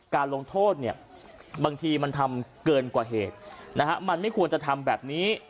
ลงโทษเนี่ยบางทีมันทำเกินกว่าเหตุนะฮะมันไม่ควรจะทำแบบนี้